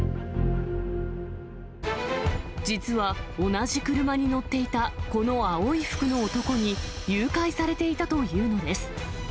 実は同じ車に乗っていたこの青い服の男に誘拐されていたというのです。